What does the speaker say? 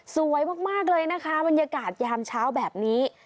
สวยมากเลยนะคะบรรยากาศยามเช้าแบบนี้